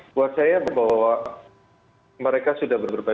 buat saya mereka sudah berbeza